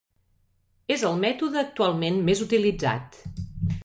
És el mètode actualment més utilitzat.